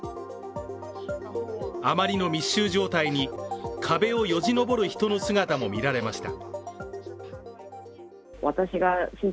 あまりの密集状態に壁をよじ登る人の姿も見られました。